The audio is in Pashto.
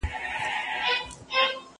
لس کلونه، سل کلونه، ډېر عمرونه